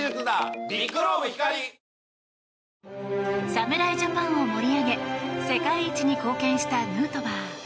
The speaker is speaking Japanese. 侍ジャパンを盛り上げ世界一に貢献したヌートバー。